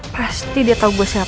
pasti dia tahu gue siapa